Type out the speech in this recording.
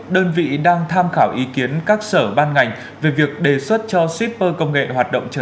đơn vị đang tham khảo ý kiến các sở ban ngành về việc đề xuất cho shipper công nghệ hoạt động trở